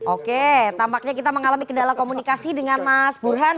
oke tampaknya kita mengalami kendala komunikasi dengan mas burhan